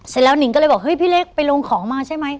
เสร็จแล้วนิงก็เลยบอกเฮ้ยพี่เล็กไปลงของมาใช่ไหม